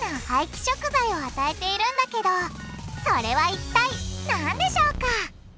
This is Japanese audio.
廃棄食材を与えているんだけどそれはいったいなんでしょうか？